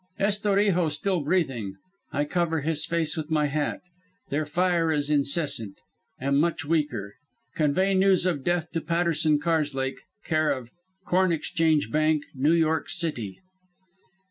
"Estorijo still breathing. I cover his face with my hat. Their fire is incessant. Am much weaker. Convey news of death to Patterson Karslake, care of Corn Exchange Bank, New York City.